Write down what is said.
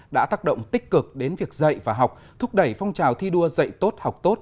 đã tác động tích cực đến việc dạy và học thúc đẩy phong trào thi đua dạy tốt học tốt